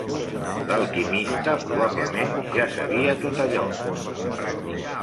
L'alquimista probablement ja sabia tot allò.